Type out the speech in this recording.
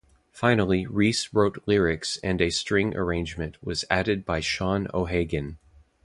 Finally Rhys wrote lyrics and a string arrangement was added by Sean O'Hagan.